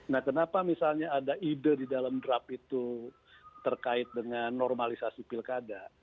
nah kenapa misalnya ada ide di dalam draft itu terkait dengan normalisasi pilkada